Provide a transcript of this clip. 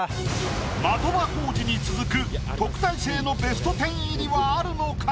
的場浩司に続く特待生のベスト１０入りはあるのか？